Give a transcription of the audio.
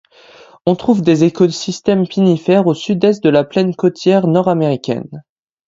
On trouve des écosystèmes pinifères au sud-est de la plaine côtière nord-américaine.